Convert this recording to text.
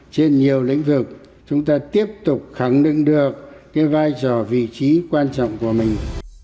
trên nhiều lĩnh vực chúng ta tiếp tục khẳng định được cái vai trò vị trí quan trọng của mình